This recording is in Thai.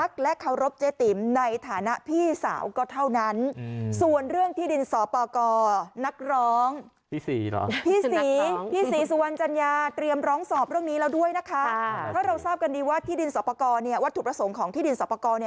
ด้วยนะคะเพราะเราทราบกันดีว่าที่ดินสอบปกรวัตถุประสงค์ของที่ดินสอบปกร